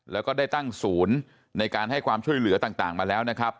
แล้วก็ได้ตั้งศูนย์ในการให้ความช่วยเหลือต่างมาแล้วนะครับ